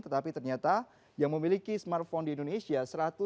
tetapi ternyata yang memiliki smartphone di indonesia